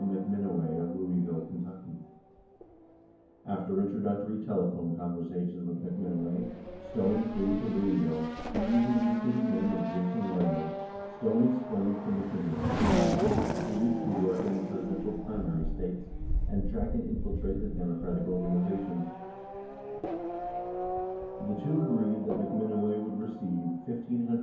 McMinoway of Louisville, Ky. 64 After introductory telephone conversations with McMinoway, Stone flew to Louisville, and using the assumed name of Jason Rainer, Stone explained to McMinoway that he was being recruited to "work in the Presidential primary states and track and infiltrate the Democratic organizations " 65 The two agreed that McMinoway would receive $1,500 a month for his services 66 and that after "Rainer" designated " Ibid.